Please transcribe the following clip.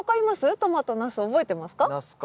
トマトナス覚えてますか？